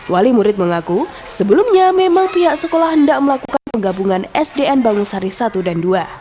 wali murid mengaku sebelumnya memang pihak sekolah hendak melakukan penggabungan sdn bangun sari satu dan dua